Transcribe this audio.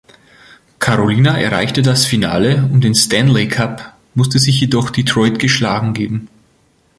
Carolina erreichte das Finale um den Stanley Cup, musste sich jedoch Detroit geschlagen geben.